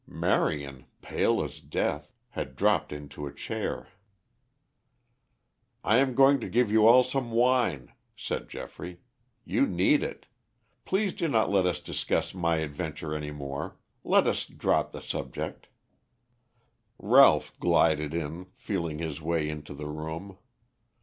Marion, pale as death, had dropped into a chair. "I am going to give you all some wine," said Geoffrey. "You need it. Please do not let us discuss my adventure any more. Let us drop the subject." Ralph glided in, feeling his way into the room.